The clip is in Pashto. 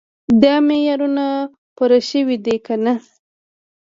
دا معیارونه پوره شوي دي که نه.